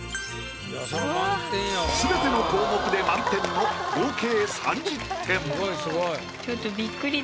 全ての項目で満点の合計３０点。